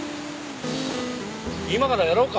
今からやろうか？